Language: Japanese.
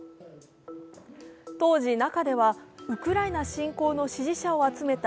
当時、中ではウクライナ侵攻の支持者を集めた